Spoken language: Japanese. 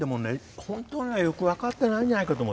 本当はよく分かってないんじゃないかと思ったんですよ。